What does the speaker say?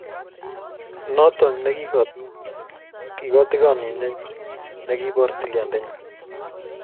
Notok ne kikotigoneenyu ne kiiboor tilyandinyu.